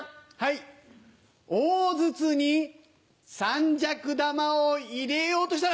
大筒に三尺玉を入れようしたら。